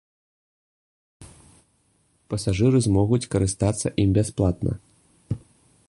Пасажыры змогуць карыстацца ім бясплатна.